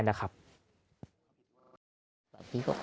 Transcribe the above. พ่อว่าพ่อโธอตามเที่ยว